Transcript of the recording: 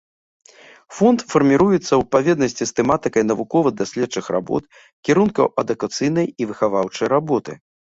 Фонд фарміруецца ў адпаведнасці з тэматыкай навукова-даследчых работ, кірункаў адукацыйнай і выхаваўчай работы.